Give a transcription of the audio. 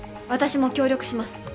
私も協力します。